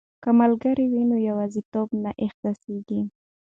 که ملګري وي نو یوازیتوب نه احساسیږي.